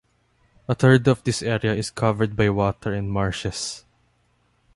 A third of this area is covered by water and marshes.